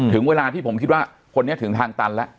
ถึงเวลาที่ผมคิดว่าคนนี้ถึงทางตันแล้ว